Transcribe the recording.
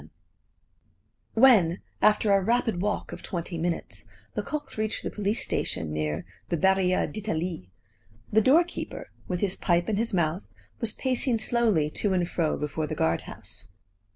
VII When, after a rapid walk of twenty minutes, Lecoq reached the police station near the Barriere d'Italie, the doorkeeper, with his pipe in his mouth, was pacing slowly to and fro before the guard house.